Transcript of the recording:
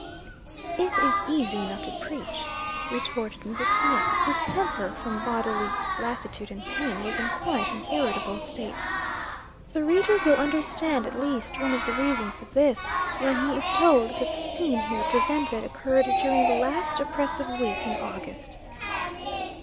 "It is easy enough to preach," retorted Mrs. Smith, whose temper, from bodily lassitude and pain, was in quite an irritable state. The reader will understand at least one of the reasons of this, when he is told that the scene here presented occurred during the last oppressive week in August.